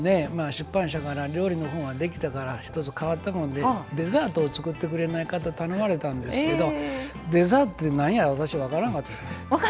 出版社から料理の本はできたから１つ変わったものでデザートを作ってくれないかと頼まれたんですけどデザートってなんや？って私、分からなかったんです。